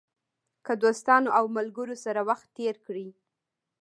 که دوستانو او ملګرو سره وخت تېر کړئ.